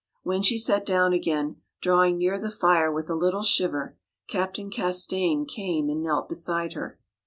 When she sat down again, drawing near the fire with a little shiver, Captain Castaigne came and knelt beside her.